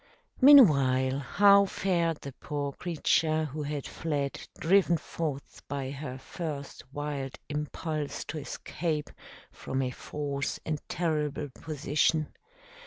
Meanwhile, how fared the poor creature who had fled, driven forth by her first wild impulse to escape from a false and terrible position?